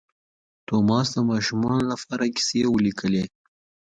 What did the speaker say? توماس د ماشومانو لپاره کیسې ولیکلې.